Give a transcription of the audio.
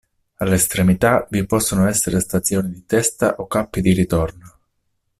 Alle estremità vi possono essere stazioni di testa o cappi di ritorno.